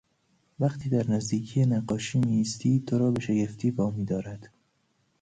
وقتی در نزدیکی نقاشی میایستی تو را به شگفتی وا میدارد